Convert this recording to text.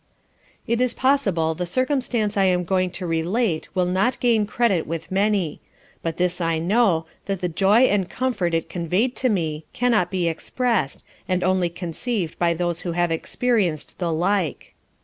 It is possible the circumstance I am going to relate will not gain credit with many; but this I know, that the joy and comfort it conveyed to me, cannot be expressed and only conceived by those who have experienced the like.